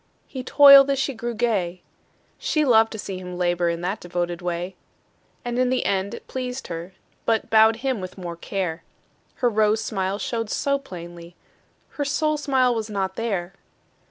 He toiled as she grew gay. She loved to see him labor In that devoted way. And in the end it pleased her, But bowed him more with care. Her rose smile showed so plainly, Her soul smile was not there.